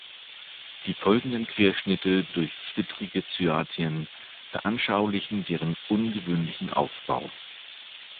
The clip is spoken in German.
Die folgenden Querschnitte durch zwittrige Cyathien veranschaulichen deren ungewöhnlichen Aufbau.